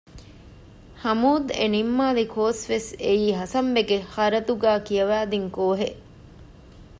ހަމޫދް އެ ނިންމާލި ކޯސްވެސް އެއީ ހަސަންބެގެ ހަރަދުގައި ކިޔަވަދިން ކޯހެއް